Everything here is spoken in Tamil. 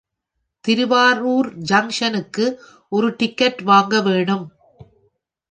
திருவாரூர் ஜங்ஷனுக்கு ஒரு டிக்கட் வாங்கவேணும்.